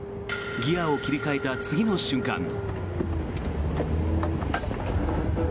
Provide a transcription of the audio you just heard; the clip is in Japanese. ギアを切り替えた次の瞬間。